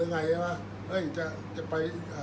อันไหนที่มันไม่จริงแล้วอาจารย์อยากพูด